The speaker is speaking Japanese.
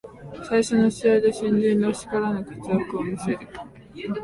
最初の試合で新人らしからぬ活躍を見せる